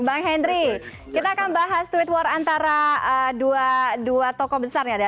bang henry kita akan bahas tweet war antara dua tokoh besar ya